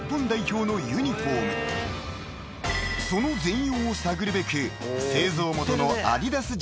［その全容を探るべく製造元の］